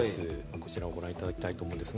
こちらをご覧いただきたいと思います。